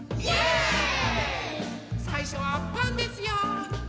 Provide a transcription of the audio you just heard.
さいしょはパンですよ。